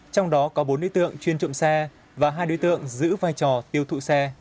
trong đó có bốn đối tượng chuyên trộm xe và hai đối tượng giữ vai trò tiêu thụ xe